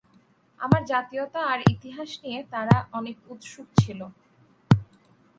আমার জাতীয়তা আর ইতিহাস নিয়ে তারা অনেক উৎসুক ছিল।